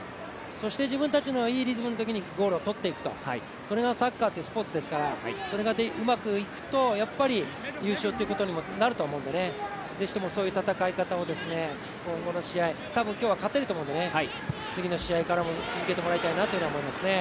そして、自分たちのいいリズムの時にボールをとっていくとそれがサッカーなのでそれがうまくいくとやっぱり優勝っていうところにもなると思うので是非ともそういう戦い方を今後の試合。今日は勝てると思うので、次の試合からも続けてもらいたいと思います。